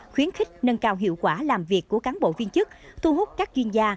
khuyến khích nâng cao hiệu quả làm việc của cán bộ viên chức thu hút các chuyên gia